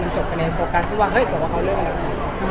มันจบไปในโฟกัสซึ่งว่าเฮ้ยเดี๋ยวว่าเขาเลือกอะไร